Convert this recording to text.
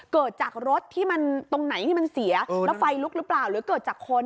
เกิดจากรถที่มันตรงไหนที่มันเสียแล้วไฟลุกหรือเปล่าหรือเกิดจากคน